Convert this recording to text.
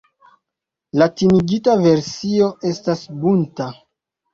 Latinigita versio estas "Bunta".